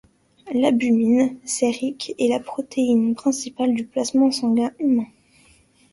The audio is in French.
L'albumine sérique est la protéine principale du plasma sanguin humain.